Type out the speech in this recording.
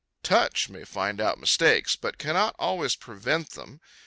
Touch may find out mistakes, but cannot always prevent them.